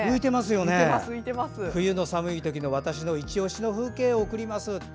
冬の寒い時の私のいちオシの風景を送ります。